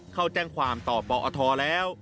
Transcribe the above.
เข้าแจ้งความต่อปอทแล้ว